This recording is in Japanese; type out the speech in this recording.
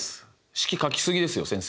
式書きすぎですよ先生。